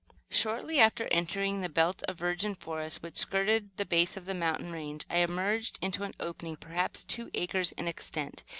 Shortly after entering the belt of virgin forest which skirted the base of the mountain range, I emerged into an opening, perhaps two acres in extent.